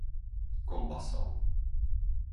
Kolbasov